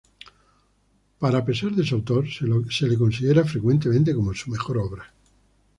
Para pesar de su autor, se lo considera frecuentemente como su mejor obra.